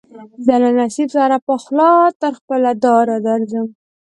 زه له نصیب سره پخلا تر خپله داره درځم